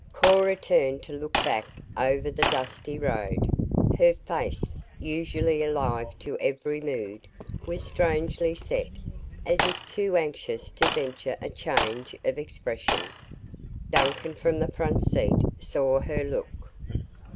Cora turned to look back over the dusty road. Her face, usually alive to every mood, was strangely set as if too anxious to venture a change of expression. Duncan from the front seat saw her look.